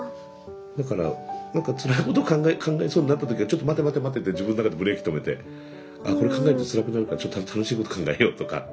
だから何かつらいこと考えそうになった時はちょっと待て待て待てって自分の中でブレーキ止めてあっこれ考えるとつらくなるからちょっと楽しいこと考えようとか。